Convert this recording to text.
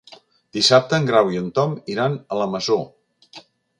Dissabte en Grau i en Tom iran a la Masó.